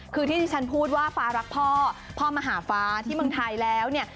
คือที่ที่ฉันพูดว่าฟ้ารักพ่อพ่อมาหาฟ้าที่เมืองไทยแล้วเนี่ย